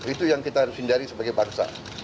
itu yang kita harus hindari sebagai bangsa